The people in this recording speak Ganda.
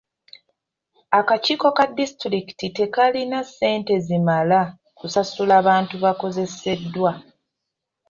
Akakiiko ka disitulikiti tekalina ssente zimala kusasula bantu bakozeseddwa.